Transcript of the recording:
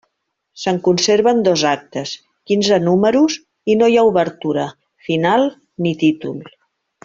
Se'n conserven dos actes, quinze números, i no hi ha obertura, final ni títol.